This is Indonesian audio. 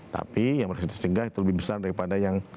tapi yang harus dicegah itu lebih besar daripada yang